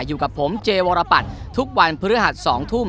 อยู่กับผมเจวรปัตย์ทุกวันพฤหัส๒ทุ่ม